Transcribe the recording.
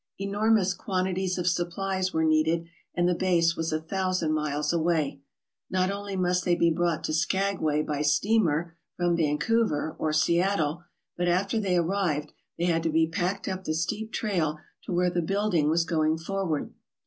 Enormous quantities of supplies were needed and the base was a thousand miles away. Not only must they be brought to Skagway by steamer from Vancouver or Seattle, but after they arrived they had to be packed up the steep trail to where the building was going for ward.